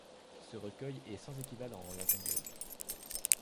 Ce recueil est sans équivalent en langue anglaise.